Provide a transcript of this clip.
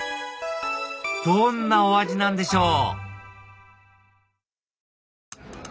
どんなお味なんでしょう？